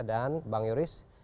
dan bang yoris